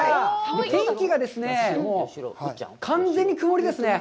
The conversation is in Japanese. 天気がですね、完全に曇りですね。